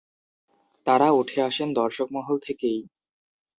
তাঁরা উঠে আসেন দর্শক মহল থেকেই।